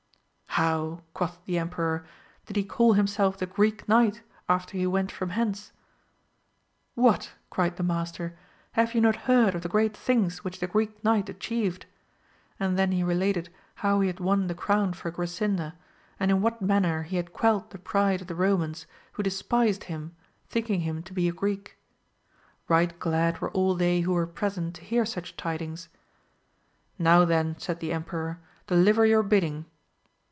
How, quoth the em peror, did he call himself the Greek Knight after he went from hence ? What, cried the master, have ye not heard of the great things which the Greek Knight atchieved ? and then he related how he had won the crown for Grasinda, and in what manner he had quelled the pride of the Komans, who despised him, thinking him to be a Greek. Eight glad were all they who were present to hear such tidings. Now then> said the emperor, deliver your bidding.